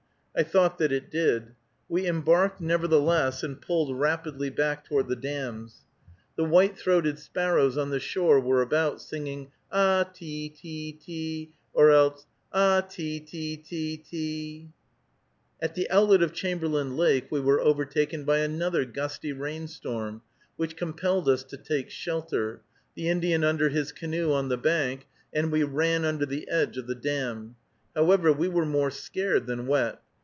I thought that it did. We embarked, nevertheless, and paddled rapidly back toward the dams. The white throated sparrows on the shore were about, singing, Ah, te e e, te e e, te, or else ah, te e e, te e e, te e e, te e e. At the outlet of Chamberlain Lake we were overtaken by another gusty rain storm, which compelled us to take shelter, the Indian under his canoe on the bank, and we ran under the edge of the dam. However, we were more scared than wet.